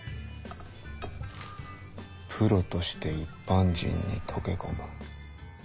プロとして一般人に溶け込む。